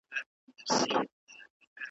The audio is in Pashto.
ډکي پیمانې مي تشولې اوس یې نه لرم .